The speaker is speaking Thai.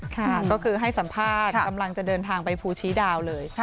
ค่ะก็คือให้สัมภาษณ์กำลังจะเดินทางไปภูชีดาวเลย